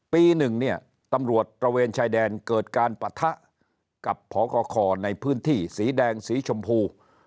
ปีหนึ่งเนี่ยตำรวจตระเวนชายแดนเกิดการปะทะกับพอกคในพื้นที่สีแดงสีชมพู